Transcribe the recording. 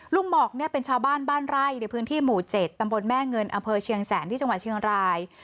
หมอกเนี่ยเป็นชาวบ้านบ้านไร่ในพื้นที่หมู่๗ตำบลแม่เงินอำเภอเชียงแสนที่จังหวัดเชียงราย